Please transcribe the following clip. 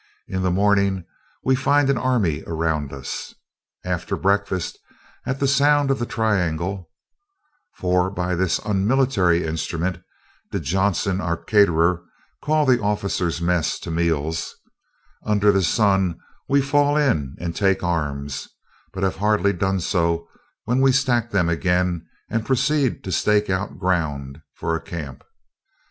In the morning, we find an army around us. After a breakfast at the sound of the triangle [for by this unmilitary instrument did Johnson, our caterer, call the officers' mess to meals], under the sun, we fall in and take arms, but have hardly done so when we stack them again and proceed to stake out ground for a camp.